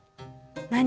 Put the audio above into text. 何？